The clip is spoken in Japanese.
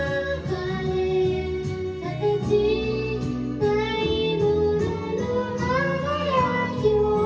「形ないものの輝きを」